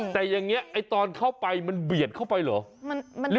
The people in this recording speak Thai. แต่อย่างนี้ไอ้ตอนเข้าไปมันเบียดเข้าไปเหรอ